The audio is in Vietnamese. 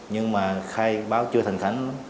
nhưng mà khai báo chưa thành thánh lắm